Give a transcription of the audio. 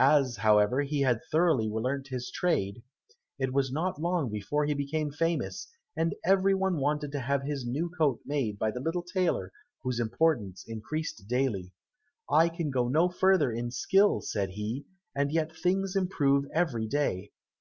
As, however, he had thoroughly learnt his trade, it was not long before he became famous, and every one wanted to have his new coat made by the little tailor, whose importance increased daily. "I can go no further in skill," said he, "and yet things improve every day."